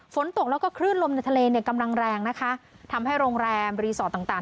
ฝนตกแล้วก็คลื่นลมในทะเลเนี่ยกำลังแรงนะคะทำให้โรงแรมรีสอร์ทต่างต่าง